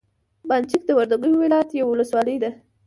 بند چک د وردګو ولایت یوه ولسوالي ده.